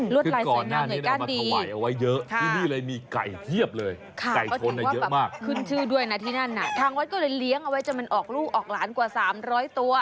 รวดลายสายเนื้อเงยกั้นดีค่ะค่ะค่ะก็คิดว่าแบบขึ้นชื่อด้วยนะที่นั่นน่ะทางวัดก็เลยเลี้ยงเอาไว้จะมันออกลูกออกหลานกว่า๓๐๐ตัว